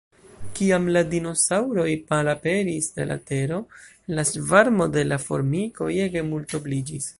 Kiam la dinosaŭroj malaperis de la tero, la svarmo de la formikoj ege multobliĝis.